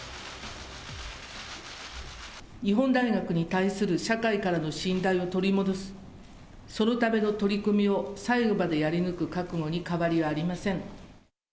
日本大学に対する社会からの信頼を取り戻す、そのための取り組みを最後までやり抜く覚悟に変わりはありません。